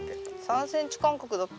３ｃｍ間隔だったら。